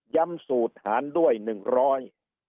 ย้ำสูตรฐานด้วยหนึ่งร้อย